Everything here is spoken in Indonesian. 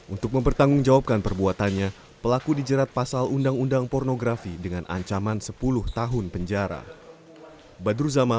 untuk mempertanggungjawabkan perbuatannya pelaku dijerat pasal undang undang pornografi dengan ancaman sepuluh tahun penjara